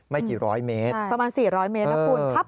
ไม่กี่ร้อยเมตรประมาณสี่ร้อยเมตรนะคุณ